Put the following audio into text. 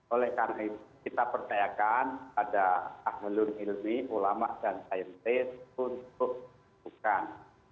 oleh karena itu kita percayakan pada ahli ilmi ulama dan tis pun bukan